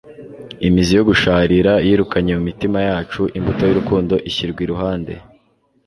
Imizi yo gusharira yirukanye mu mitima yacu imbuto y'urukundo, ishyirwa iruhande.